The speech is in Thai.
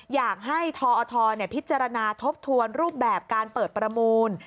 อยากให้ทอทพิจารณาทบทวนรูปแบบการเปิดประมูล